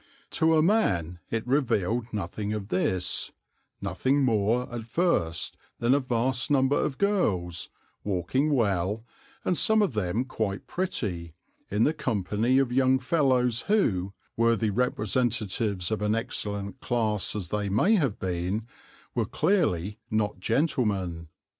To a man it revealed nothing of this, nothing more at first than a vast number of girls, walking well, and some of them quite pretty, in the company of young fellows who, worthy representatives of an excellent class as they may have been, were clearly not gentlemen.